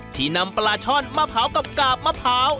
ที่นำปลาช่อนมาเผากับกาบมะพร้าว